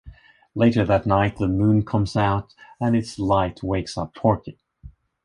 Later that night, the moon comes out and its light wakes up Porky.